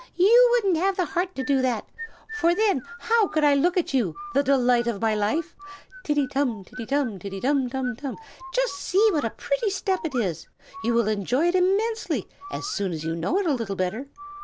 "You wouldn't have the heart to do that; for then how could I look at you, the delight of my life? Tiddy tum! tiddy tum! tiddy tum tum tum! just see what a pretty step it is! You will enjoy it immensely, as soon as you know it a little better."